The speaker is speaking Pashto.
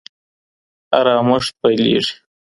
آرامښت پيلېږي.